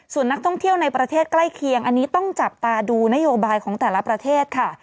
ส่วนนักท่องเที่ยวในประเทศใกล้เคียงอันนี้ต้องจับตาดูนโยบายของแต่ละประเทศค่ะ